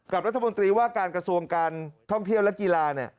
รัฐมนตรีว่าการกระทรวงการท่องเที่ยวและกีฬา